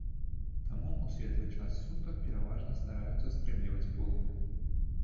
Таму ў светлы час сутак пераважна стараюцца стрымліваць полымя.